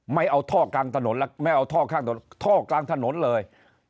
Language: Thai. ไม่เอาท่อกลางถนนแล้วไม่เอาท่อข้างถนนท่อกลางถนนเลย